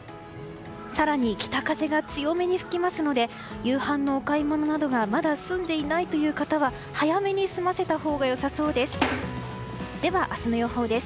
更に北風が強めに吹きますので夕飯のお買い物などがまだ済んでいないという方は早めに済ませたほうが良さそうです。